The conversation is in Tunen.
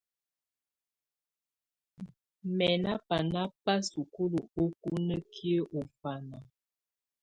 ̣Mɛ̀ nà bana bà sukulu ukunǝkiǝ́ ù ɔfana.